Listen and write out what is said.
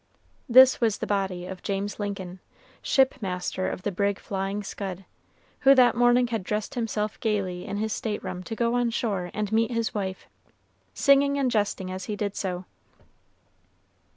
This was the body of James Lincoln, ship master of the brig Flying Scud, who that morning had dressed himself gayly in his state room to go on shore and meet his wife, singing and jesting as he did so.